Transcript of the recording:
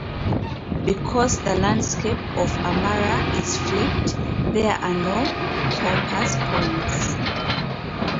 Because the landscape of Amara is flipped, there are no compass points.